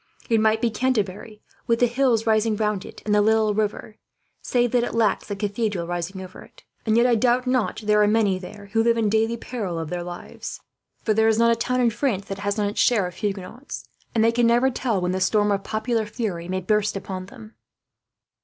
It might be Canterbury, with the hills rising round it and the little river, save that it lacks the cathedral rising over it; and yet, I doubt not there are many there who live in daily peril of their lives, for there is not a town in France that has not its share of Huguenots, and they can never tell when the storm of popular fury may burst upon them."